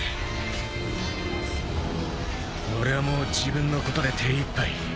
俺はもう自分のことで手いっぱい。